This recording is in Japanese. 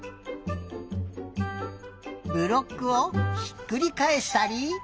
ブロックをひっくりかえしたり。